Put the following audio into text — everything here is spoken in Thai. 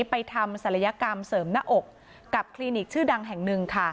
ไปทำศัลยกรรมเสริมหน้าอกกับคลินิกชื่อดังแห่งหนึ่งค่ะ